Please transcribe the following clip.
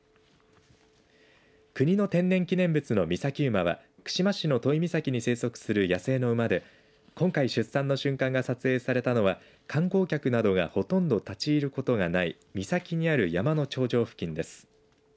国の天然記念物の岬馬は串間市の都井岬に生息する野生の午で今回出産の瞬間が撮影されたのは観光客などが、ほとんど立ち入ることがない岬にある山の頂上付近です。